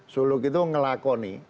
suluk itu ngelakoni